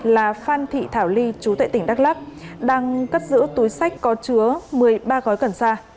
là phan thị thảo ly chú tệ tỉnh đắk lắc đang cất giữ túi sách có chứa một mươi ba gói cần sa